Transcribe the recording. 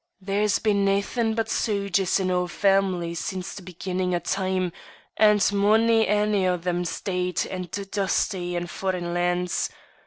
There's been naethin' but sogers in oor family since the be ginnin' o' time, and mony ane o' them's deid and dusty in foreign lands.